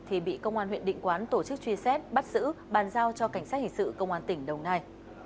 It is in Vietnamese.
thì bị công an huyện định quán tổ chức truy xét bắt giữ bàn giao cho cảnh sát hình sự công an tỉnh đồng nai